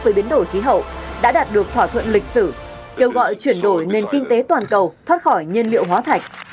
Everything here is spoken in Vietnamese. với biến đổi khí hậu đã đạt được thỏa thuận lịch sử kêu gọi chuyển đổi nền kinh tế toàn cầu thoát khỏi nhiên liệu hóa thạch